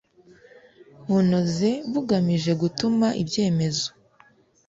bunoze bugamije gutuma ibyemezo